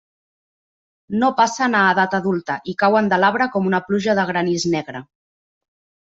No passen a edat adulta i cauen de l'arbre com una pluja de granís negre.